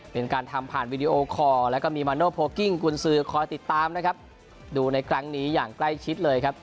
เป็นการทำผ่านแล้วก็มีคอติดตามนะครับดูในกลางนี้อย่างใกล้ชิดเลยครับ